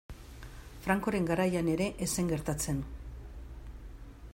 Francoren garaian ere ez zen gertatzen.